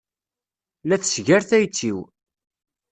La tesgar tayet-iw.